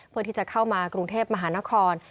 เพื่อที่จะเข้ามากรุงเทพมหานคร